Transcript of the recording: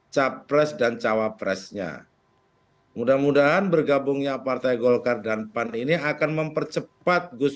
capres dan cawapresnya mudah mudahan bergabungnya partai golkar dan pan ini akan mempercepat gus